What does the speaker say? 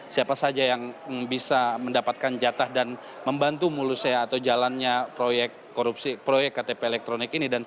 siapa saja yang bisa mendapatkan jatah dan membantu mulusnya atau jalannya proyek korupsi proyek ktp elektronik ini